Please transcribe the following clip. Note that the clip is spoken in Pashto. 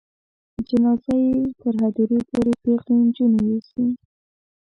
جنازه دې یې تر هدیرې پورې پیغلې نجونې یوسي.